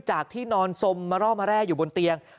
ที่นอนสมมาร่อมาแร่อยู่บนเตียง